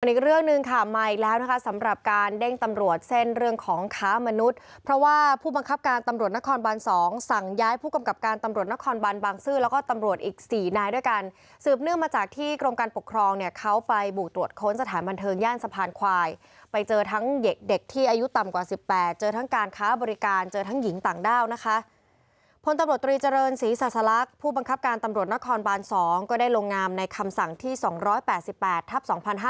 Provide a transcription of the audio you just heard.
อันดับอันดับอันดับอันดับอันดับอันดับอันดับอันดับอันดับอันดับอันดับอันดับอันดับอันดับอันดับอันดับอันดับอันดับอันดับอันดับอันดับอันดับอันดับอันดับอันดับอันดับอันดับอันดับอันดับอันดับอันดับอันดับอันดับอันดับอันดับอันดับอันดับอ